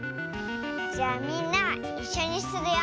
じゃみんないっしょにするよ。